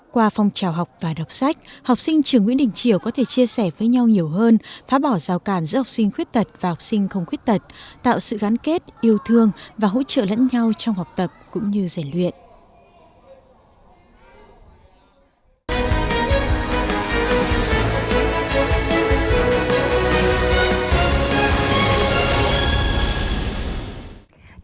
qua phong trào học và đọc sách học sinh trường nguyễn đình triều có thể chia sẻ với nhau nhiều hơn phá bỏ rào cản giữa học sinh khuyết tật và học sinh không khuyết tật tạo sự gắn kết yêu thương và hỗ trợ lẫn nhau trong học tập cũng như giải luyện